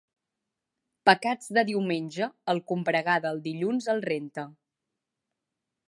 Pecats de diumenge, el combregar del dilluns els renta.